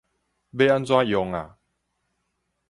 欲按怎用啊